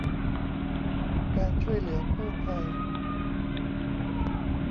การช่วยเหลือกู้ภัย